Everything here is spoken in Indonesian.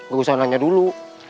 gak usah nanya dulu